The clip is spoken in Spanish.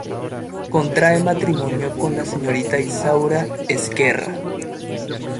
Contrae matrimonio con la señorita Isaura Ezquerra.